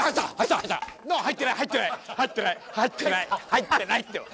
入ってないってば！